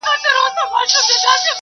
مشر باید خادم وي.